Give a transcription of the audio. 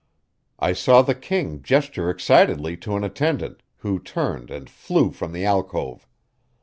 I saw the king gesture excitedly to an attendant, who turned and flew from the alcove.